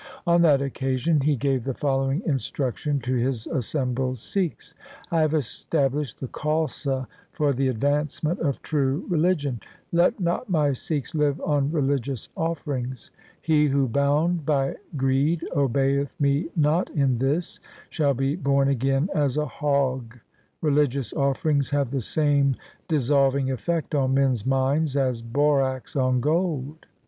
On that occasion he gave the following instruction to his assembled Sikhs —' I have established the Khalsa for the advancement 152 THE SIKH RELIGION of true religion. Let not my Sikhs live on religious offerings. He who bound by greed obeyeth me not in this, shall be born again as a hog. Religious offerings have the same dissolving effect on men's minds as borax on gold.'